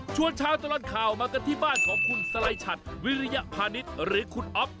ช่วงเช้าตลอดข่าวมากันที่บ้านของคุณสลัยชัตริ์วิริยพานิษฐ์หรือคุณอ๊อฟ